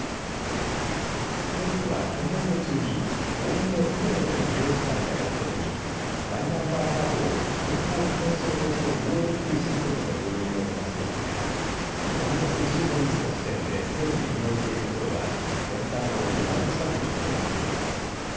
政府は今年度中におおむねすべての医療機関や薬局にマイナンバーカードを健康保険証として利用できるシステムの導入を目指していますが今月１５日の時点ですでに運用しているところは全体の２割近くにとどまっています。